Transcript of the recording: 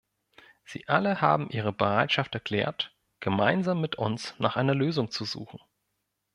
Sie alle haben ihre Bereitschaft erklärt, gemeinsam mit uns nach einer Lösung zu suchen.